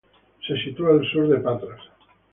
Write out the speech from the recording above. Se sitúa al sur de Patras.